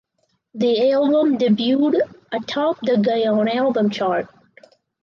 The album debuted atop the Gaon Album Chart.